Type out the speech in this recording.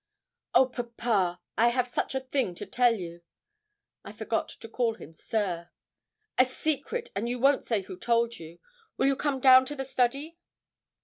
'Oh, papa, I have such a thing to tell you!' I forgot to call him 'Sir.' 'A secret; and you won't say who told you? Will you come down to the study?'